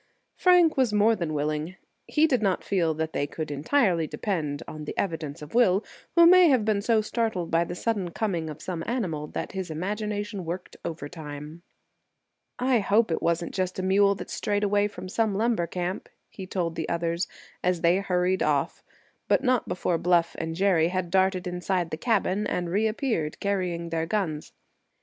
Frank was more than willing. He did not feel that they could entirely depend on the evidence of Will, who may have been so startled by the sudden coming of some animal that his imagination worked overtime. "I hope it wasn't just a mule that strayed away from some lumber camp," he told the others, as they hurried off; but not before Bluff and Jerry had darted inside the cabin and reappeared, carrying their guns.